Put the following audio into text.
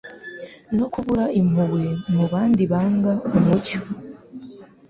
no kubura impuhwe mu bandi banga umucyo.